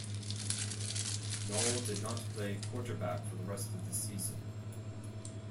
Nall did not play quarterback for the rest of the season.